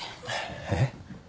えっ？